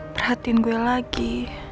perhatiin gue lagi